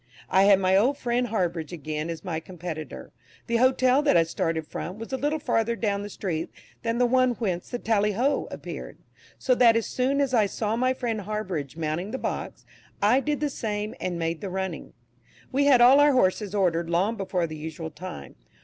I had my old friend Harbridge again, as my competitor. The hotel that I started from, was a little farther down the street than the one whence the "Tally Ho!" appeared, so that as soon as I saw my friend Harbridge mounting the box, I did the same, and made the running. We had all our horses ordered long before the usual time.